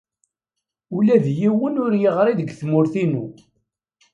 Ula d yiwen ur yeɣri deg tmurt-inu.